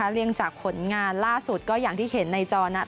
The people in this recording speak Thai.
เรียงจากผลงานล่าสุดอย่างที่เห็นในจอนี้